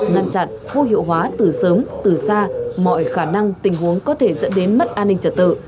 ngăn chặn vô hiệu hóa từ sớm từ xa mọi khả năng tình huống có thể dẫn đến mất an ninh trật tự